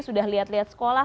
sudah lihat lihat sekolah